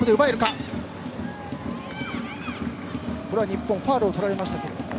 日本、ファウルをとられました。